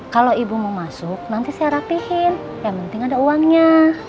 kalau ibu mau masuk nanti saya rapihin yang penting ada uangnya